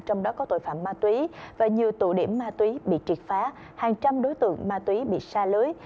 trong đó có tội phạm ma túy và nhiều tụ điểm ma túy bị triệt phá hàng trăm đối tượng ma túy bị xa lưới